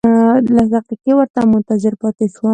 لس دقیقې ورته منتظر پاتې شوم.